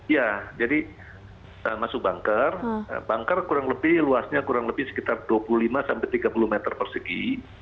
ya jadi masuk bangker bangker kurang lebih luasnya kurang lebih sekitar dua puluh lima sampai tiga puluh meter persegi